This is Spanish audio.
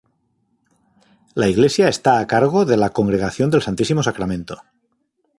La iglesia está a cargo de la Congregación del Santísimo Sacramento.